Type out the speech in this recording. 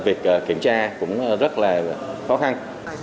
việc kiểm tra cũng rất là khó khăn